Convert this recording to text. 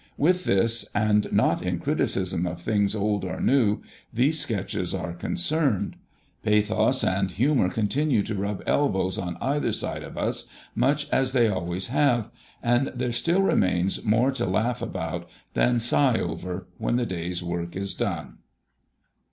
With this, and not in criticism of things old or new, these Sketches are concerned. Pathos and humour continue to rub elbows on either side of us much as they always have, and there still remains more to laugh about than sigh over when the day's work is done.